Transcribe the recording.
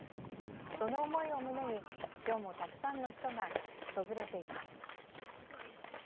その思いを胸に今日も、たくさんの人が訪れています。